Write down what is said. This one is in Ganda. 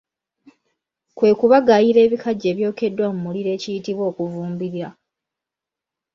Kwe kubagaayira ebikajjo ebyokeddwako mu muliro ekiyitibwa okuvumbulira.